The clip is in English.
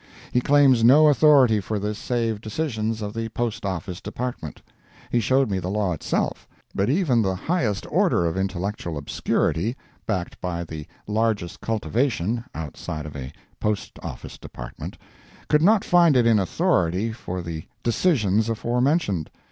He claims no authority for this save decisions of the Post Office Department. He showed me the law itself, but even the highest order of intellectual obscurity, backed by the largest cultivation (outside of a Post Office Department), could not find in it authority for the "decisions" aforementioned.